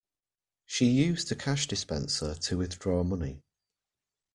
She used a cash dispenser to withdraw money